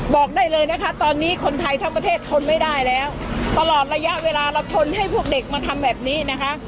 บอกได้เลยนะคะตอนนี้คนไทยทั้งประเทศทนไม่ได้แล้วตลอดระยะเวลาเราทนให้พวกเด็กมาทำแบบนี้นะคะ